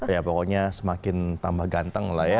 ya pokoknya semakin tambah ganteng lah ya